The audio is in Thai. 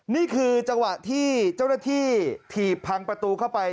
นี่คือจังหวะที่เจ้าหน้าที่ถีบพังประตูเข้าไป